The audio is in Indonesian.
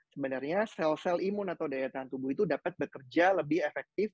sebenarnya sel sel imun atau daya tahan tubuh itu dapat bekerja lebih efektif